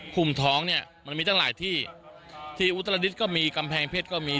คุมท้องเนี่ยมันมีตั้งหลายที่ที่อุตรดิษฐ์ก็มีกำแพงเพชรก็มี